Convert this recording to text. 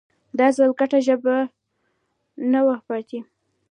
دا ځل ګډه ژبه نه وه پاتې